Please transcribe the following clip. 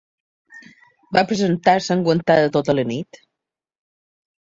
Va presentar-se enguantada tota la nit.